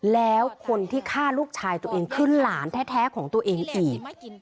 แล้วคนที่ฆ่าลูกชายตัวเองคือหลานแท้ของตัวเองอีก